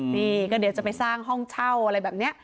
นี่ก็เดี๋ยวจะไปสร้างห้องเช่าอะไรแบบนี้